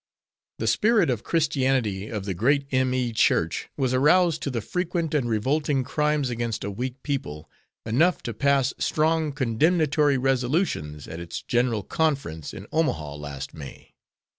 The spirit of christianity of the great M.E. Church was aroused to the frequent and revolting crimes against a weak people, enough to pass strong condemnatory resolutions at its General Conference in Omaha last May.